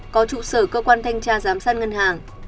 có trụ sở cơ quan thanh tra giám sát ngân hàng